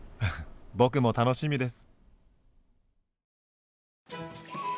僕も楽しみです。